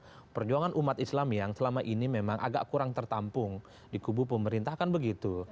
karena perjuangan umat islam yang selama ini memang agak kurang tertampung di kubu pemerintah kan begitu